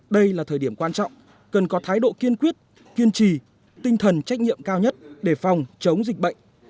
đây là thời điểm quan trọng cần có thái độ kiên quyết kiên trì tinh thần trách nhiệm cao nhất để phòng chống dịch bệnh